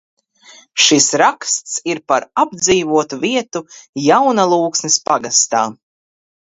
Šis raksts ir par apdzīvotu vietu Jaunalūksnes pagastā.